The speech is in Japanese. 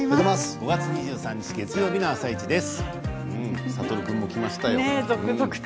５月２３日月曜日の「あさイチ」です。